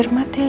udah makan ya